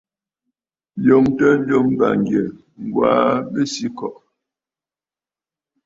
Ǹyòŋtə njɨm bàŋgyɛ̀, Ŋ̀gwaa Besǐkɔ̀ʼɔ̀.